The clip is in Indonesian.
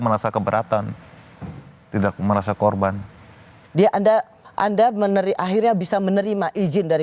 merasa keberatan tidak merasa korban dia anda anda menerima akhirnya bisa menerima izin dari